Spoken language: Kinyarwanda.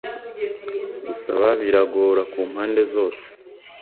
gusaba biragora ku mpande zose,